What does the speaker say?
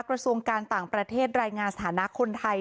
กระทรวงการต่างประเทศรายงานสถานะคนไทย